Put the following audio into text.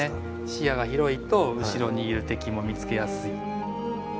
視野が広いと後ろにいる敵も見つけやすい。